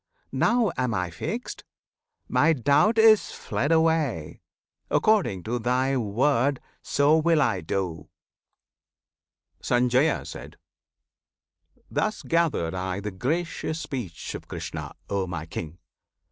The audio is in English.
Now am I fixed! my doubt is fled away! According to Thy word, so will I do! Sanjaya. Thus gathered I the gracious speech of Krishna, O my King!